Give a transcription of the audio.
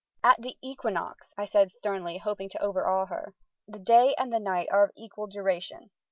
"At the equinox," I said sternly, hoping to overawe her, "the day and the night are of equal duration.